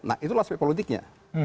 nah itulah aspek politiknya